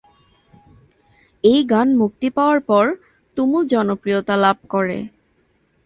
এই গান মুক্তি পাওয়ার পর তুমুল জনপ্রিয়তা লাভ করে।